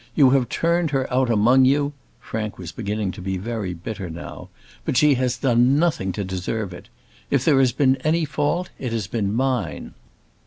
You have turned her out among you" Frank was beginning to be very bitter now "but she has done nothing to deserve it. If there has been any fault it has been mine.